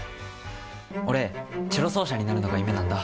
俺、チェロ奏者になるのが夢なんだ。